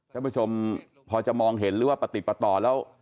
คุณผู้ชมพอจะมองเห็นหรือว่าปฏิปต่อแล้ว